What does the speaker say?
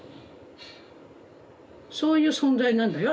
そういう存在なんだよ